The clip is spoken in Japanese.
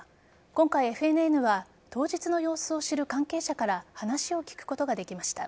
今回、ＦＮＮは当日の様子を知る関係者から話を聞くことができました。